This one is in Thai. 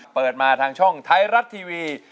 เปิดมาทางช่องไทยรัฐทีวี